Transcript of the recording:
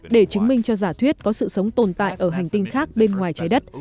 để chứng minh cho giả thuyết có sự sống tồn tại ở hành tinh khác bên ngoài trái đất